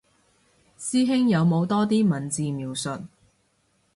師兄有冇多啲文字描述